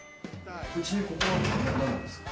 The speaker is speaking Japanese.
ちなみに、ここは何なんですか？